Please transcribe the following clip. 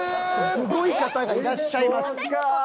すごい方がいらっしゃいます。